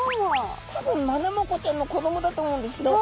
多分マナマコちゃんの子どもだと思うんですけど。